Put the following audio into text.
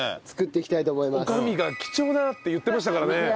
女将が「貴重な」って言ってましたからね。